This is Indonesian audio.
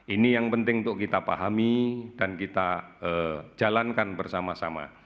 ini yang penting untuk kita pahami dan kita jalankan bersama sama